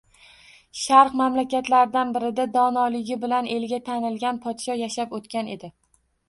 Sharq mamlakatlaridan birida donoligi bilan elga tanilgan podsho yashab o`tgan edi